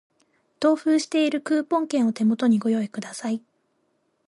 同封しているクーポン券を手元にご用意ください